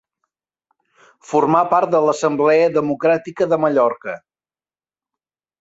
Formà part de l'Assemblea Democràtica de Mallorca.